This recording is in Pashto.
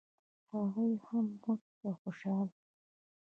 هغه یې هم مسک او خوشال کړ.